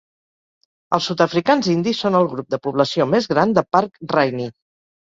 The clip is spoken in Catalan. Els sud-africans indis són el grup de població més gran de Park Rynie.